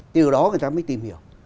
từ đó người ta mới tìm hiểu